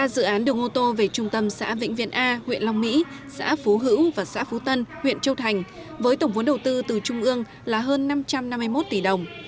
ba dự án đường ô tô về trung tâm xã vĩnh viện a huyện long mỹ xã phú hữu và xã phú tân huyện châu thành với tổng vốn đầu tư từ trung ương là hơn năm trăm năm mươi một tỷ đồng